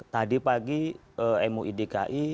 tadi pagi mui dki